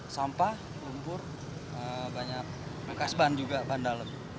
sampah lumpur banyak bekas ban juga ban dalem